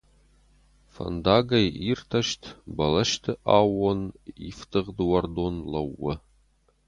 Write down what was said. Фӕндагӕй иртӕст, бӕлӕсты аууон, ифтыгъд уӕрдон лӕууы.